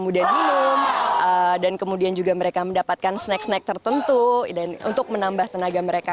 dan kemudian juga mereka mendapatkan snack snack tertentu untuk menambah tenaga mereka